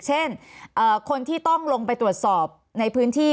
เช่นคนที่ต้องลงไปตรวจสอบในพื้นที่